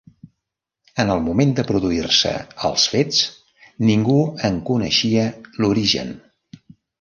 En el moment de produir-se els fets, ningú en coneixia l'origen.